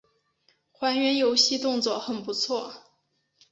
还原游戏动作很不错